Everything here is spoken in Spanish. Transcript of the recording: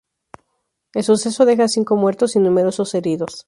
El suceso deja cinco muertos y numerosos heridos.